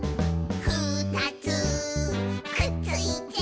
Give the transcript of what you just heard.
「ふたつくっついて」